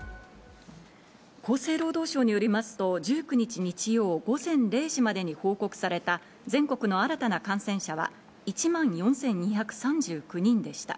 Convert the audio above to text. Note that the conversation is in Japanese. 厚生労働省によりますと、１９日日曜午前０時までに報告された全国の新たな感染者は１万４２３９人でした。